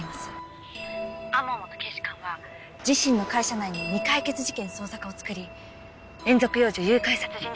天羽元警視監は自身の会社内に未解決事件捜査課を作り連続幼女誘拐殺人事件を。